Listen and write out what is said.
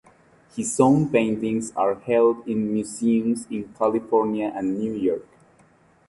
His own paintings are held in museums in California and New York.